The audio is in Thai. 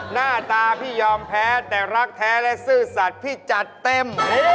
หน้าตาพี่ยอมแพ้แต่รักแท้และซื่อสัตว์พี่จัดเต็ม